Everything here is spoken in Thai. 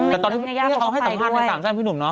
แต่ตอนที่เขาให้สัมภาษณ์มาสามสั้นพี่หนุ่มเนา